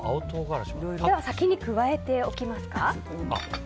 では先に加えておきますか？